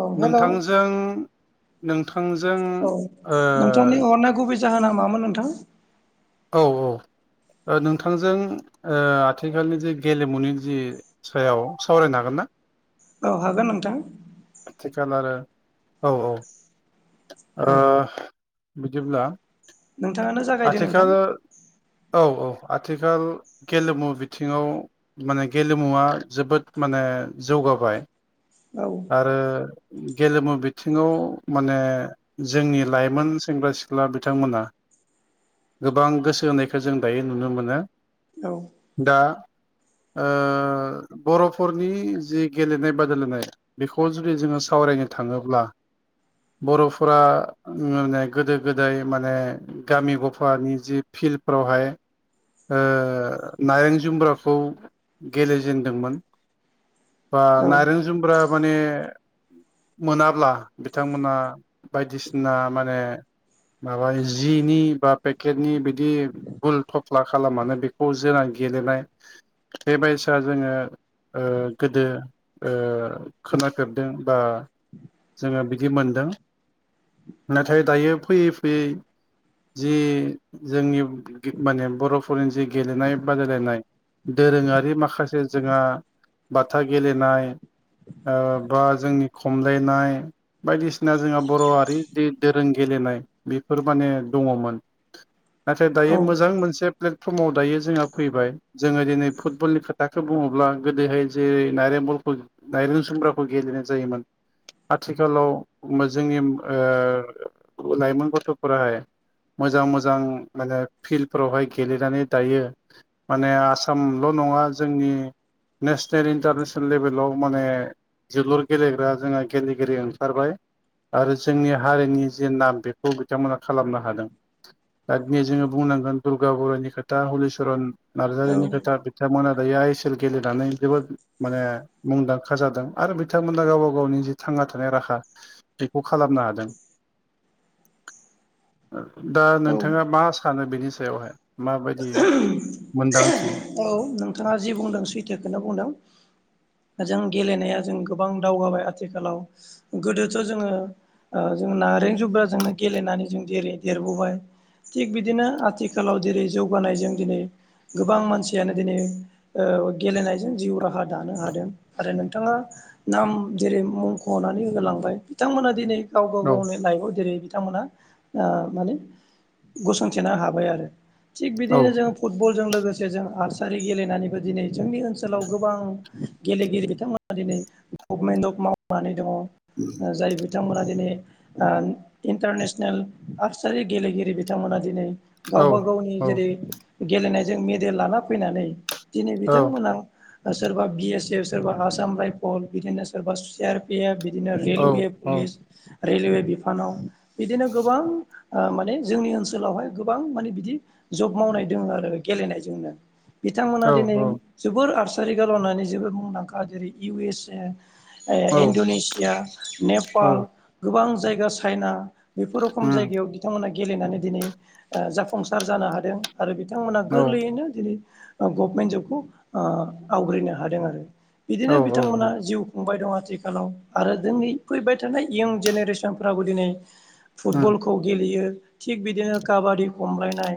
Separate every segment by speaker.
Speaker 1: औ हेलौ
Speaker 2: नोंथांजों नोंथा
Speaker 1: औ नोंथांनि हरनाय गुबै जाहोना मामोन नोंथां
Speaker 2: औ औ ओ नोंथांजों ओ आथिखालनि जे गेलेमुनि जि सायाव सावरायनो हागोन ना
Speaker 1: औ हागोन नोंथां
Speaker 2: आथिखाल आरो औ औ ओ
Speaker 1: औ
Speaker 2: बिदिब्ला
Speaker 1: नोंथाङानो जागायदो नोंथां
Speaker 2: आथिखाल औ औ आथिखाल गेलेमु बिथिङाव माने गेलेमुवा जोबोद माने जौ जौगाबाय
Speaker 1: औ
Speaker 2: आरो गेलेमु बिथिङाव माने जोंनि लाइमोन सेंग्रा सिख्ला बिथांमोना गोबां गोसो होनायखौ जों दायो नुनो मोनो
Speaker 1: औ
Speaker 2: दा ओ बर'फोरनि जि गेलेनाय बादायलायनाय बेखौ जुदि जोङो सावरायनो थाङोब्ला बर'फोरा माने गोदो गोदाय माने गामि गफानि जि फिल्डफ्रावहाय ओ नाइरें जुमब्राखौ गेलेजेेनदोंमोन बा
Speaker 1: औ
Speaker 2: नारें जुमब्रा माने मोनाब्ला बिथांमोना बायदिसिना माने माबा जि जिनि बा पेकेटनि बिदि गुल थफ्ला खालामनानै बेखौ जोंना गेलेनाय बेबायायसा जोङो ओ गोदो ओ खोनाखेरदों बा जोङो बिदि मोनदों नाथाय दायो फैयै फैयै जि जोंनि माने बर'फोरनि जि गेलेनाय बादायलायनाय दोरोङारि माखासे जोंहा बाथा गेलेनाय ओ बा जोंनि खमलायनाय बायदिसिना जोंहा बर' हारि दोरों गेले नाय बेफोर माने दङमोन नाथाय
Speaker 1: औ
Speaker 2: दायो मोजां मोनसे समाव दायो जोंहा फैबाय जोङो दिनै फुटबलनि खोथाखौ बुङोब्ला गोदोहाय जेरै नारेंबल दायर जुमब्राखौ गेलेनाय जायोमोन आथिखालाव जोंनि ओ लाइमोन गथ'फोराय मोजां मोजां माने फिल्डफोरावहाय गेलेनानै दायो माने आसाम ल' नङा जोंनि नेसनेल इन्टारनेसनेल लेभेलाव माने जोलुर गेलेग्रा जोंहा गेलेगिरि ओंखारबाय आरो जोंनि हारिनि जे नाम बेखौ बिथांमोना खालामनो हादों दा दिनै जोङो बुंनांगोन दुर्गा बर'नि खोथा हलिचरन
Speaker 1: औ
Speaker 2: नार्जारिनि खोथा बिथांमोना आइ एस एल गेलेनानै जोबोद माने मुंदांखा जादों आरो बिथांमोना गावबा गावनि जि थां ना थानाय राहा बेखौ खालामनो हादों
Speaker 1: [inaudible]
Speaker 2: दा
Speaker 1: औ
Speaker 2: नोंथाङा मा सानो बेनि सायावहाय? माबायदि मोनदांथि
Speaker 1: औ नोंथाङा जि बुंदों सैथोखौनो बुंदों। जों गेलेनाया जों गोबां दावगाबाय आथिखालाव गोदोथ' जोङो ओ जों नारें जुब्राजोंनो गेलेनानै जों देरै देरबोबाय। थिग बिदिनो आथिखालाव जेरै जौ गानायजों दिनै गोबां मानसियानो दिनै ओ गेलेनायजों जिउ राहा दानो हादों। आरो नोंथाङा नाम जेरै मुंख'नानै होलांबाय बिथांमोना दिनै गाव गाव
Speaker 2: औ
Speaker 1: गावनो लाइफआव जेरै बिथांमोना ओ माने गसंथेनो हाबाय आरो। थिग
Speaker 2: औ
Speaker 1: बिदिनो जोङो फुटबल जों लोगोसे जों आसारि गेलेनानैबो दिनै जोंनि ओनसोलाव गोबां गेलेगिरि बिथांमोना दिनै गभमेन्ट मावनानै दङ जाय बिथांमोना दिनै ओ इन्टारनेसनेल आक्सारि गेलेगिरि बिथांमोना दिनै
Speaker 2: औ
Speaker 1: गावबा गावनि
Speaker 2: औ
Speaker 1: जेरै गेलेनायजों मेडेल लाना फैनानै दिनै
Speaker 2: औ
Speaker 1: बिथांमोना सोरबा बि एस एफ सोरबा आसाम रायफल बिदिनो सोरबा सि आर पि एफ बिदिनो
Speaker 2: औ
Speaker 1: रेलवे
Speaker 2: औ
Speaker 1: पुलिस रेलवे बिफानाव बिदिनो गोबां ओ माने जोंनि ओनसोलावहाय गोबां माने बिदि जब मावनाय दोंङो आरो गेलेनायजोंनो बिथांमोना
Speaker 2: औ
Speaker 1: दिनै जोबोर आर थानि कारनआवनो जोबोद मुंदांखा जेरै इउ एस ए ओ
Speaker 2: औ
Speaker 1: इणड'नेसिया
Speaker 2: औ
Speaker 1: नेपाल गोबां जायगा चाइना
Speaker 2: उम
Speaker 1: गेलेनानै दिनै ओ जाफुंसार जानो हादों आरो बिथांमोना
Speaker 2: औ
Speaker 1: गोरलैयैनो दिनै गभमेन्ट जबखौ आवग्रिनो हादों आरो
Speaker 2: औ
Speaker 1: बिदिनो
Speaker 2: औ
Speaker 1: बिथांमोना जिउ खांबाय दं आथिखालाव आरो जोंनि फैबाय थानाय इयन जेनेरेसनफ्राबो दिनै
Speaker 2: उम
Speaker 1: फुटबलखौ गेलेयो थिग बिदिनो काबादि खमलायनाय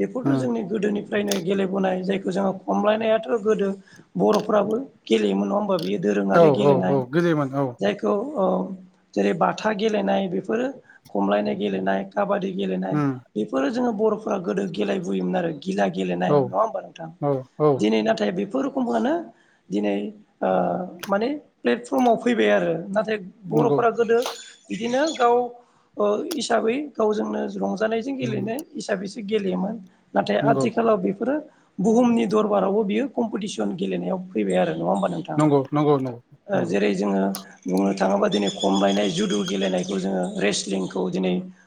Speaker 1: बेफोरथ'
Speaker 2: उम
Speaker 1: जोंनि गोदोनि फ्रायनो गेलेबोनाय जायखौ जोङो खमलायनायाथ' गोदो बर'फ्राबो गेलेयोमोन नङा होमबा बियो
Speaker 2: औ
Speaker 1: दोरोङारि
Speaker 2: औ
Speaker 1: गेलेनाय
Speaker 2: औ गेलेयोमोन औ
Speaker 1: जायखौ ओ जेरै बाथा गेलेनाय बेफोरो खमलायनाय गेलेनाय काबादि गेलेनाय
Speaker 2: उम
Speaker 1: बेफोरो जोङो बर'फोरा गोदो गेलेबोयोमोन आरो गिला गेलेनाय
Speaker 2: औ
Speaker 1: नङा होमबा नोंथां?
Speaker 2: औ औ
Speaker 1: दिनै नाथाय बे फोर रोखोमआनो दिनै ओ माने प्लेटफर्माव फैबाय
Speaker 2: नंगौ
Speaker 1: बर'फोरा गोदो बिदिनो गाव हिसाबै गावजोंनो रंजा जानायजों
Speaker 2: उम
Speaker 1: गेलेनाय हिसाबैसो गेलेयोमोन नाथाय
Speaker 2: नंगौ
Speaker 1: आथिखालाव बेफोरो बुहुमनि दरबारावबो बियो कम्पिटिसन गेलेनायाव फैबाय आरो। नङा होमबा नोंथां?
Speaker 2: नंगौ नंगौ नंगौ
Speaker 1: जेरै जोङो बुंनो थाङोबा दिनै खमलायनाय जुदु गेलेनायखौ जोङो रेस्लिंखौ दिनै [inaudible]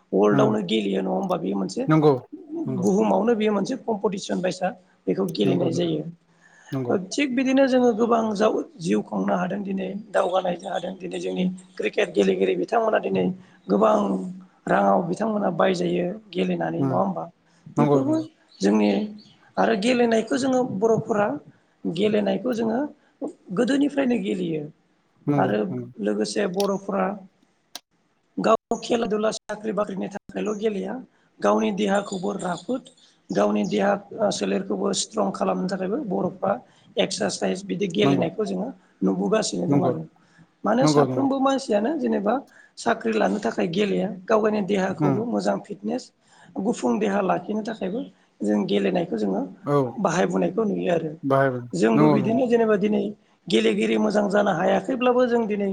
Speaker 2: नंगौ उम नंगौ
Speaker 1: बेखौ
Speaker 2: नंगौ
Speaker 1: गेलेनाय
Speaker 2: नोंथां
Speaker 1: जायो। थिक बि बिदिनो जोङो गोबां जा जिउ खुंनो हादों दिनै दावगानायदों दिनै जोंनि क्रिकेट गेले दनै बिथांमोना दिनै गोबां राङाव बिथांमोना बायजायो। गेलेनानै नङा होमबा
Speaker 2: नंगौ
Speaker 1: बेफोरबो जोंनि आरो गेलेनायखौ जोङो बर'फोरा गेलेनायखौ जोङो गोदोनिफ्रायनो गेलेयो। आरो
Speaker 2: उम
Speaker 1: लोगोसे बर'फोरा गाव खेला दुला साख्रि बाख्रिनि थाखायल' गेलेया गावनि देहाखौ खौबो राफोद गावनि देहा सोलेरखौबो स्ट्रं खालामनो थाखायबो बर'फ्रा एक्सारसाइ सायस बिदि
Speaker 2: नंगौ
Speaker 1: गेलेनायखौ जोङो नुबोगासिनो दं
Speaker 2: नंगौ
Speaker 1: आरो मानो
Speaker 2: नंगौ उम नंगौ
Speaker 1: साफ्रोमबो मानसियानो जेनेबा साख्रि लानो थाखाय गेलेया गाव गावनि
Speaker 2: उम
Speaker 1: देहाखौबो मोजां फिदनेस गु फुं देहा लाखिनो थाखायबो जों गेलेनाय जोङो
Speaker 2: औ
Speaker 1: बाहायबोनायखौ नुयो आरो।
Speaker 2: बाहायबाय
Speaker 1: जोंबो
Speaker 2: नंगौ नंगौ
Speaker 1: बिदिनो जेनोबा दिनै गेलेगिरि मोजां जानो हायाखैब्लाबो जों दिनै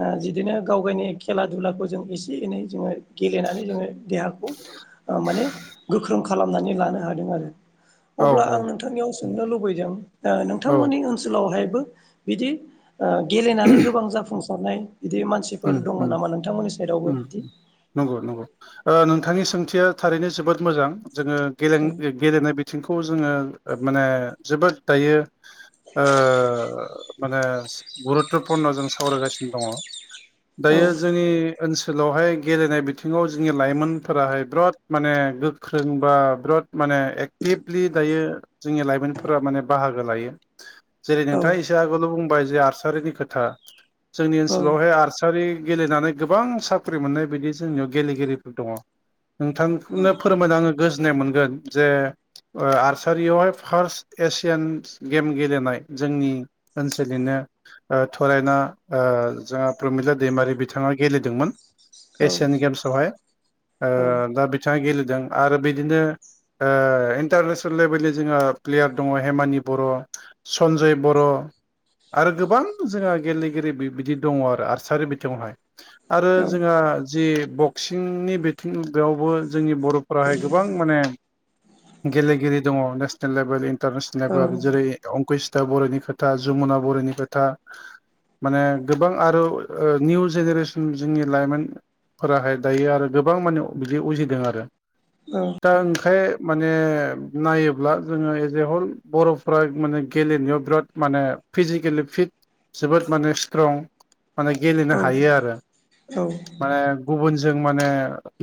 Speaker 1: ओ बिदिनो गाव गावनि खेला दुलाखौ जों एसे एनै जोङो गेलेनानै जोङो देहाखौ ओ माने गोख्रों खालामनानै लानो हादों आरो।
Speaker 2: औ
Speaker 1: अब्ला
Speaker 2: औ
Speaker 1: आं नोंथांनियाव सोंनो लुबैदों ओ
Speaker 2: औ
Speaker 1: नोंथांमोननि ओनसोलावहाय बो बिदि ओ गेलेनानै गोबां जाफुंसारनाय बिदि मानसिफोर
Speaker 2: उम
Speaker 1: दङ
Speaker 2: उम
Speaker 1: नामा नोंथांमोननि साइडआवबो
Speaker 2: उम
Speaker 1: बिदि
Speaker 2: नंगौ नंगौ ओ नों थांनि सोंथिया थारैनो जोबोद मोजां। जोङो गेले
Speaker 1: औ
Speaker 2: गेलेनाय बिथिंखौ जोङो ओ माने जोबोद दायो ओ माने गुरुत्तपुरन जों सावरायगासिनो दङ।
Speaker 1: औ
Speaker 2: दायो जोंनि ओनसोलावहाय गेलेनाय बिथिङाव जोंनि लाइमोनफोराहाय बिराद माने गोख्रों बा बिराद माने एक्टिभलि दायो जोंनि लाइमोनफोरा माने बाहागो लायो। जेरै नोंथाङा एसे आगोल' बुंबाय जे आर्सारिनि खोथा जोंनि
Speaker 1: औ
Speaker 2: ओनसोलावहाय आर्सारि गेलेनानै गोबां साख्रि मोननाय बिदि जोंनियाव गेलेगिरिफोर दङ। नोंथांखनो फोरमायना आङो गोजोननाय मोनगोन जे ओ आर्चारियावहाय फार्स्ट एसियान गेम गेलेनाय जोंनि ओनसोलनिनो ओ थरायना ओ जोंहा प्रमिला दैमारि बिथाङा गेलेदोंमोन
Speaker 1: औ
Speaker 2: एसियान गेम्सवहाय। ओ
Speaker 1: औ
Speaker 2: दा बिथाङा गेलेदों आरो बिदिनो ओ इन्टारनेसनेल लेभेलनि जोंहा प्लेयार दङ हेमानि बर' सनजय बर' आरो गोबां जोंहा गेलेगिरि बि बिदि दङ आरो आर्सारि बिथिङावहाय आरो
Speaker 1: औ
Speaker 2: जोङो जि बक्सिंनि बिथिं बेयावबो जोंनि बर'फोराहाय गोबां माने गेलेगिरि दङ नेसनेल लेभेल इन्टारनेसनेल
Speaker 1: औ
Speaker 2: लेभेल जेरै अंकुसि था बर'नि खोथा जमुना बर'नि खोथा। माने गोबां आरो ओ निउ जेनेरेसन जोंनि लाइमोन फोराहाय दायो आरो गोबां माने बिदि उजिदों आरो। दा ओंखाय माने नायोब्ला जोङो एज ए हल बर'फ्रा माने गेलेनायाव बिराद माने फिजिकेलि फिट जोबोद माने सिथ्रं माने गेलनो हायो आरो
Speaker 1: औ
Speaker 2: माने गुबुन जों माने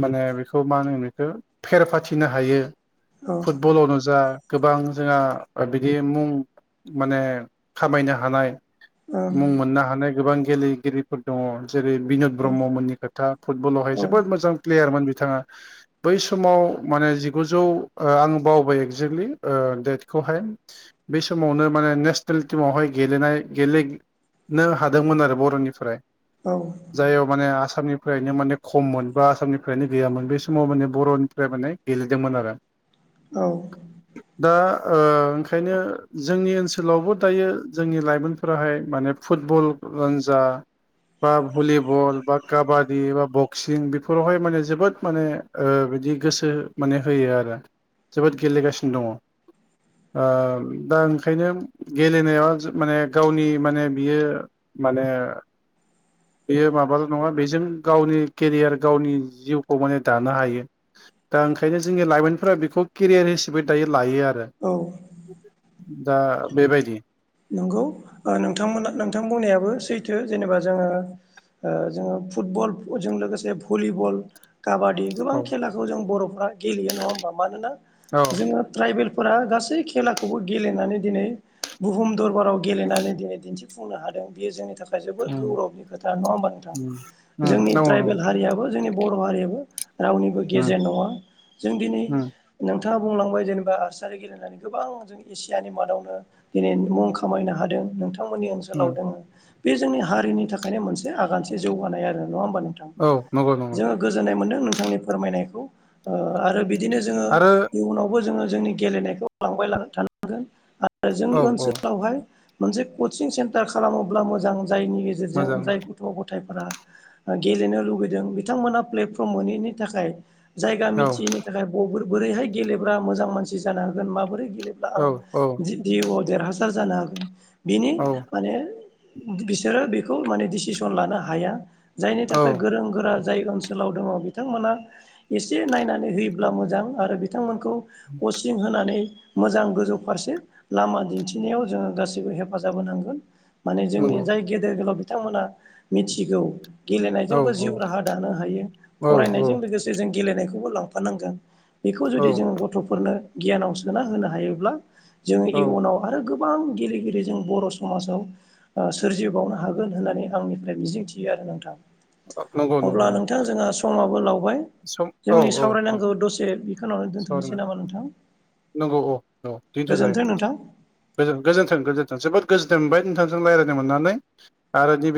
Speaker 2: माने बेखौ मा होनो बेखौ फेर फाथिनो हायो।
Speaker 1: औ
Speaker 2: फुटबलावनो जा गोबां जोंहा बिदि मुं माने खामायनो हानाय
Speaker 1: ओ औ
Speaker 2: मुं मोननो हानाय गोबां गेलेगिरिफोर दङ। जेरै बिन'द ब्रह्ममोननि खोथा फुटबलावहाय
Speaker 1: औ
Speaker 2: जोबोद मोजां प्लेयारमोन बिथाङा। बै समाव माने जिगुजौ ओ आं बावबाय एक्जेक्टलि ओ डेटखौ हाय। बे समावनो मान नेसनेल टिमावहाय गेलनाय गेलेग नो हा दोनमोन आरो ब'रनिफ्राय
Speaker 1: औ
Speaker 2: जायाव माने आ सामनिफ्रायनो माने खममोन बा आसामनिफ्रायनो गैयामोन बे समाव माने बर'निफ्राय माने गेलेदोंमोन आरो।
Speaker 1: औ
Speaker 2: दा ओ ओंखायनो जोंनि ओनसोलावबो दायो जोंनि लाइमोनफोराहाय माने फुटबल रन जा बा भलिबल बा काबादि बा बक्सिं बेफोरावहाय माने जोबोद माने ओ बिदि गोसो माने होयो आरो जोबोद गेलेगासिनो दङ। ओ दा ओंखायनो गेलेनाया माने गावनि माने बियो माने बेयो माबल' नङा बेजों गावनि केरियार गावनि जिउखौ माने दानो हायो। दा ओंखायनो जोंनि लाइमोनफोरा बेखौ केरियार हिसाबै दायो लायो आ
Speaker 1: औ।
Speaker 2: दा बेबायदि
Speaker 1: नंगौ नोंथांमोना नोंथां बुंनायाबो सैथो जेनेबा जोङो जोङो फुटबल फोरजों लोगोसे भलिबल काबादि गोबां
Speaker 2: औ
Speaker 1: खेलाखौ जों बर'फ्रा गेलेयो नङा होमबा मानोना
Speaker 2: औ
Speaker 1: जोङो ट्राइबेल फोरा गासै खेलाखौबो गेलेनानै दिनै बुहुम दरबाराव गेलेनानै दिनै दिन्थिफुंनो हादों बेयो जोंनि थाखाय जोबोर
Speaker 2: उम
Speaker 1: गौरब खोथा नंङा होनबा नोंथां
Speaker 2: उम उम
Speaker 1: जोंनि
Speaker 2: नंगौ नंगौ
Speaker 1: ट्राइबेल हारियाबो जोंनि बर' हारियाबो रावनिबो
Speaker 2: उम
Speaker 1: गेजेर नङा जों दिनै
Speaker 2: उम
Speaker 1: नों नोंथाङा बुंलांबाय जेनेबा आर्सारि गेलेनानै गोबां जों एसियानि मादावनो दिनै मुं खामायनो हादों नोंथांमोननि ओनसोलाव
Speaker 2: उम
Speaker 1: दोङो बे जोंनि हारिनि थाखायनो मोनसे आगानसे जौगानाय आरो नङा होमबा नोंथां
Speaker 2: औ नंगौ नंगौ
Speaker 1: जोङो गोजोननाय मोनदों नोंथांनि फोरमायनायखौ आरो बिदिनो जोङो
Speaker 2: आरो
Speaker 1: इयुनावबो जोङो जोंनि गेलेनायखौ लांबाय थानांगोन आरो जोंनि
Speaker 2: औ औ
Speaker 1: ओनसोलावहाय मोनसे कचिं सेन्टार खालामोब्ला मोजां जायनि
Speaker 2: मोजां
Speaker 1: गेजेरजों जाय गथ' गथाय गेलेनो लुगैदों बिथांमोना प्लेटफर्म मोनैनि थाखाय जायगा
Speaker 2: औ
Speaker 1: मिथियैनि थाखाय ब बोरैहाय गेलेब्रा मोजां मानसि जानो हागोन माबोरै गेलेब्ला
Speaker 2: औ
Speaker 1: आं
Speaker 2: औ
Speaker 1: जिउआव देरहासार जानो हागोन बिनि
Speaker 2: औ
Speaker 1: माने बिसोरो बेखौ माने डिसिसन लानो हाया जायनि
Speaker 2: औ
Speaker 1: थाखाय गोरों गोरा जाय ओनसोलाव दङ बिथांमोना एसे नायनानै होयोब्ला मोजां आरो बिथांमोन खौ कचिं होनानै मोजां गोजौ फारसे लामा दिन्थिनायाव जोङो गासैबो हेफाजाब होनांगोन माने जोंनि
Speaker 2: नंगौ
Speaker 1: जाय गेदेर गोलाव बिथांमोना मिथिगौ
Speaker 2: औ
Speaker 1: गेलेनायजोंबो जिउ राहा दानो हायो
Speaker 2: औ
Speaker 1: फरायनायजों लोगोसे जों गेलेनायखौबो लांफानांगोन बेखौ
Speaker 2: औ
Speaker 1: जुदि जोंङ गथ'फोरनो गियानाव सोना होनो हायोब्ला जोङो
Speaker 2: औ
Speaker 1: इयुनाव आरो गोबां गेलेगिरि जों बर' समाजाव सोरजिबावनो हागोन होननानै आंनिफ्राय मिजिंथियो आरो नोंथां
Speaker 2: नंगौ नंगौ
Speaker 1: अब्ला
Speaker 2: नंगौ
Speaker 1: नोंथां जोंहा समाबो लावबाय
Speaker 2: सम औ
Speaker 1: जोंनि
Speaker 2: औ नंगौ
Speaker 1: सावरायनांगौ दसे बिखौनावनो
Speaker 2: सावराय
Speaker 1: दोनथ'नोसै नामा नोंथां
Speaker 2: नंगौ औ औ दन्थ' जायो
Speaker 1: गोजोन्थों नोंथां
Speaker 2: गोजोनथों गोजोन्थों जोबोद गोजोनदोन मोनबाय नोंथांजों रायज्लायनो मोननानै आरो नैबे